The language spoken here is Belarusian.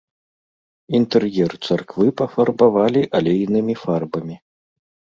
Інтэр'ер царквы пафарбавалі алейнымі фарбамі.